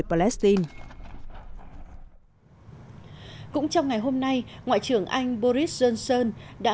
palestine cũng trong ngày hôm nay ngoại trưởng anh boris johnson đã